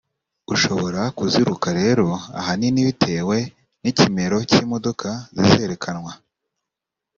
— ushobora kuziruka rero ahanini bitewe n’ikimero cy’imodoka zizerekanwa